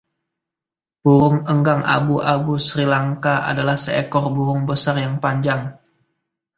Burung enggang abu-abu Sri Lanka adalah seekor burung besar yang panjang.